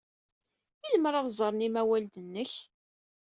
I lemmer ad ẓren yimawlan-nnek?